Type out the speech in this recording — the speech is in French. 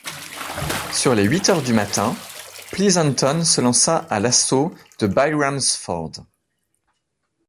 Sur les huit heures du matin, Pleasonton se lança à l'assaut de Byram's Ford.